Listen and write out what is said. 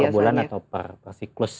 per bulan atau per siklus